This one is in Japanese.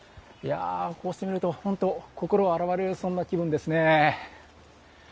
こうして見ると本当心が洗われる、そんな気分ですね。